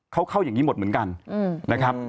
เขาเข้าอย่างนี้หมดเหมือนกันนะครับ